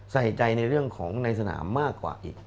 ใส่ใจในเรื่องของในสนามมากกว่าอีก